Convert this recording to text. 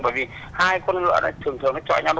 bởi vì hai con ngựa thường thường nó chọi nhau